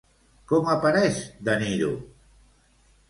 Com apareix De Niro?